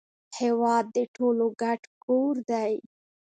هیواد د ټولو ګډ کور دی